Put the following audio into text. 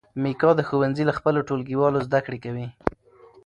میکا د ښوونځي له خپلو ټولګیوالو زده کړې کوي.